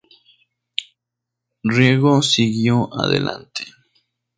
Riego siguió adelante.